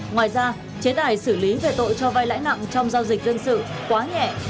ngoài ra chế tài xử lý về tội cho vai lãi nặng trong giao dịch dân sự quá nhẹ